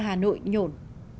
hà nội nhổn